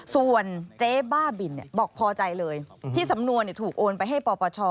ส่วนเจ๊บ้าบินบอกพอใจเลยที่สำนวนถูกโอนไปให้ปปช